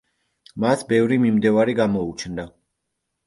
მას ბევრი მიმდევარი გამოუჩნდა.